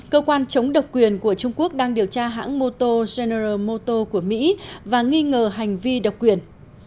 cơ quan chống độc quyền của trung quốc đang điều tra hãng moto của mỹ và nghi ngờ hành vi độc quyền